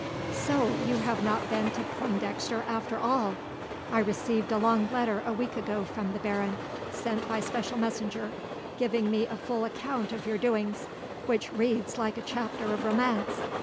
"So you have not been to Pointdexter after all! I received a long letter a week ago from the baron, sent by special messenger, giving me a full account of your doings, which reads like a chapter of romance.